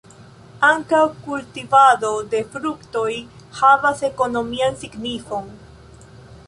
Ankaŭ kultivado de fruktoj havas ekonomian signifon.